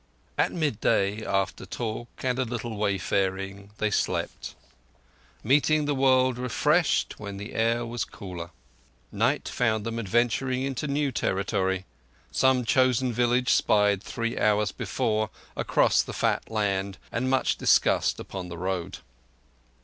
At mid day, after talk and a little wayfaring, they slept; meeting the world refreshed when the air was cooler. Night found them adventuring into new territory—some chosen village spied three hours before across the fat land, and much discussed upon the road.